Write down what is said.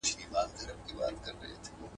هره ورځ دي په سرو اوښکو ډکوم بیا دي راوړمه.